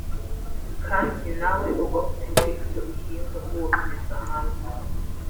kandi nawe uba ufite ibyo uhinga wohereza hanze